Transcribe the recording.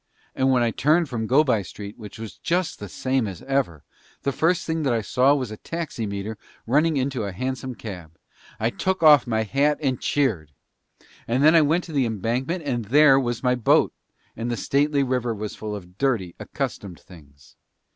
And when I turned from Go by Street which was just the same as ever, the first thing that I saw was a taximeter running into a hansom cab. And I took off my hat and cheered. And I went to the Embankment and there was my boat, and the stately river full of dirty, accustomed things.